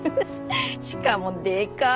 しかもでかい！